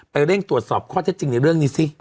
เร่งตรวจสอบข้อเท็จจริงในเรื่องนี้สิ